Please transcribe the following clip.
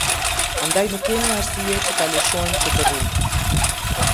Andaj, nuk kemi arsye që ta lëshojmë këtë rrugë.